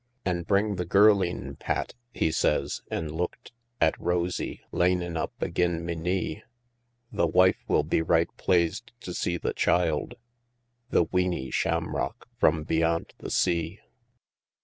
"An' bring the girleen, Pat," he says, an' looked At Rosie lanin' up agin me knee; "The wife will be right plaised to see the child, The weeney shamrock from beyant the sea.